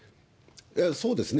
そうですね。